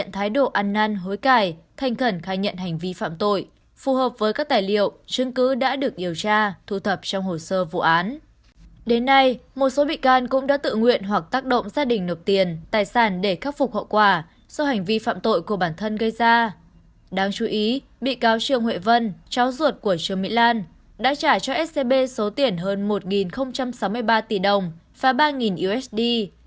trương huệ vân cháu ruột của trương mỹ lan đã trả cho scb số tiền hơn một sáu mươi ba tỷ đồng và ba usd